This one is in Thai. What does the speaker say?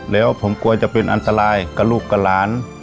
แล้วผมกลัวจะเป็นอันตรายกับลูกกับหลาน